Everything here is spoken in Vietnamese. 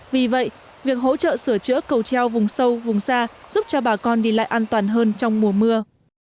vì vậy việc hỗ trợ sửa chữa cầu treo vùng sâu vùng xa giúp cho bà con đi lại an toàn hơn trong mùa mưa